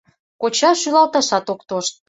Коча шӱлалташат ок тошт.